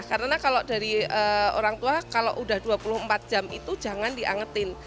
karena kalau dari orang tua kalau udah dua puluh empat jam itu jangan diangetin